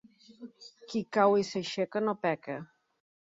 Qui cau i s'aixeca, no peca.